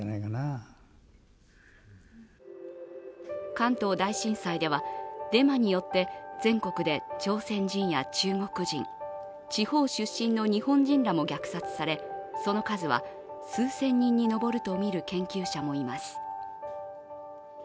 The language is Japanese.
関東大震災ではデマによって全国で朝鮮人や中国人、地方出身の日本人らも虐殺されその数は数千人に上るとみる研究者もいます。